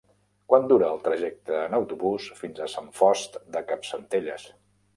Quant dura el trajecte en autobús fins a Sant Fost de Campsentelles?